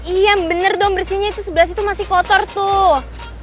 iya bener dong bersihnya itu sebelah situ masih kotor tuh